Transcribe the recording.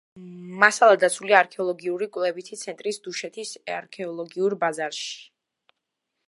მასალა დაცულია არქეოლოგიური კვლევითი ცენტრის დუშეთის არქეოლოგიურ ბაზაში.